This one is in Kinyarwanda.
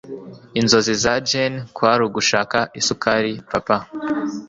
Inzozi za Jane kwari ugushaka isukari papa.